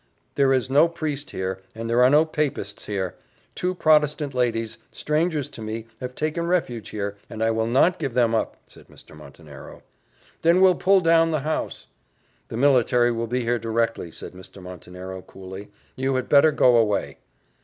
"There is no priest here there are no papists here: two protestant ladies, strangers to me, have taken refuge here, and I will not give them up," said Mr. Montenero. "Then we'll pull down the house." "The military will be here directly," said Mr. Montenero, coolly; "you had better go away."